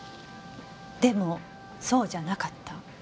でもそうじゃなかった。